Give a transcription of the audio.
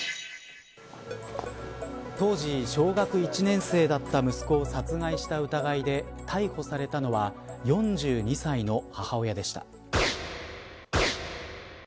当時、小学１年生だった息子を殺害した疑いで逮捕されたのは４２歳の母親でした。